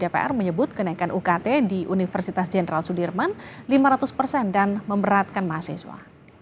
dpr menyebut kenaikan ukt di universitas jenderal sudirman lima ratus persen dan memberatkan mahasiswa